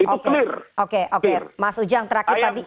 oke oke mas ujang terakhir tadi